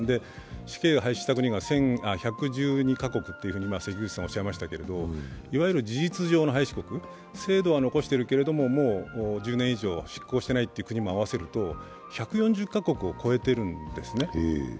死刑が廃止した国が８２か国と関口さんはおっしゃいましたが、いわゆる事実上の廃止国、制度は残しているけれども、１０年以上執行していない国を合わせると１４０か国を超えているんですね。